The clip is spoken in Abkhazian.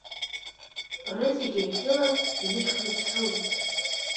Рызегьы ахьгылаз инышьхныԥсылеит.